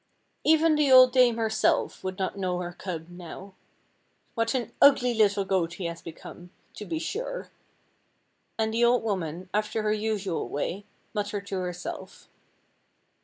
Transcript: "Even the old dame herself would not know her cub now. What an ugly little goat he has become, to be sure!" And the old woman, after her usual way, muttered to herself.